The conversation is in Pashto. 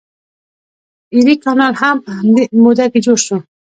ایري کانال هم په همدې موده کې جوړ شو.